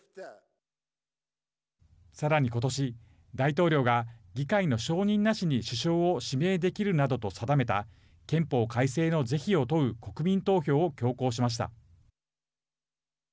さらに今年大統領が議会の承認なしに首相を指名できるなどと定めた憲法改正の是非を問う国民投票を強行しました。